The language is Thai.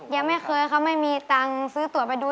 ยังไม่เคยเขาไม่มีตังค์ซื้อตรวจไปดู